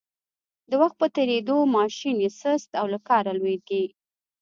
د وخت په تېرېدو ماشین یې سست او له کاره لویږي.